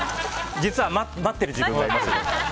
実は待ってる自分もいます。